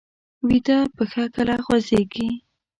ویده پښه کله خوځېږي